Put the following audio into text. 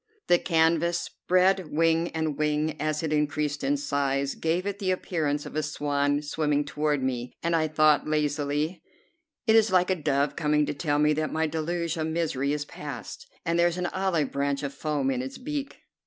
The canvas, spread wing and wing, as it increased in size, gave it the appearance of a swan swimming toward me, and I thought lazily: "It is like a dove coming to tell me that my deluge of misery is past, and there is an olive branch of foam in its beak."